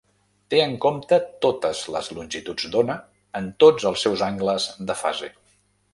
Té en compte totes les longituds d'ona en tots els seus angles de fase.